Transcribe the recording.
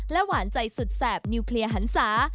หวานใจสุดแสบนิวเคลียร์หันศา